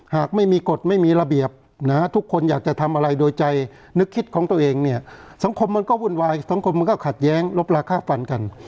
หากไม่มีกฎไม่มีระเบียบนะทุกคนอยากจะทำอะไรโดยใจนึกคิดของตัวเองเนี่ยสังคมมันก็วุ่นวายสังคมมันก็ขัดแย้งลบลาค่าฟันกัน